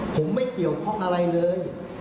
ผมไม่เกี่ยวข้องอะไรเลย